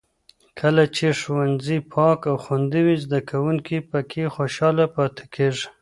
کله چې ښوونځي پاک او خوندي وي، زده کوونکي پکې خوشحاله پاتې کېږي.